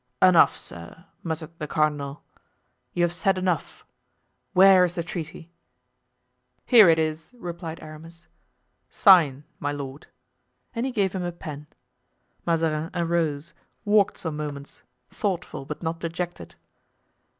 "Enough, sir," muttered the cardinal, "you have said enough; where is the treaty?" "Here it is," replied Aramis. "Sign, my lord," and he gave him a pen. Mazarin arose, walked some moments, thoughtful, but not dejected.